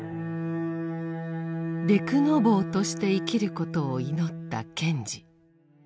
「デクノボー」として生きることを祈った賢治。